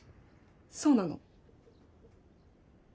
そうなの？